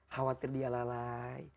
khawatir dia lalai